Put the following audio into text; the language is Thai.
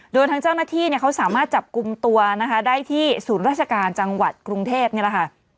โดยทางเจ้าหน้าที่เขาสามารถจับกลุ่มตัวนะคะได้ที่ศูนย์ราชการจังหวัดกรุงเทพนี่แหละค่ะ